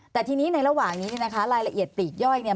แต่ทีนี้ในระหว่างนี้เนี่ยนะคะรายละเอียดปลีกย่อยเนี่ย